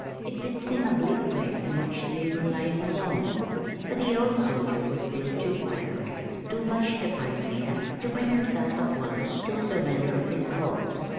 It did seem a bleak place in which to leave her lying alone) but the old soldier was still too proud, too much the pioneer, to bring himself at once to a surrender of his hopes.